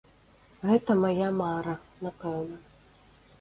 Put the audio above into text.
Гэта мая мара, напэўна.